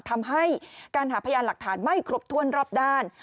ทำให้การหาพยานหลักฐานไม่ครบถ้วนรอบด้าน